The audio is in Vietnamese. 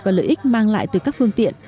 và lợi ích mang lại từ các phương tiện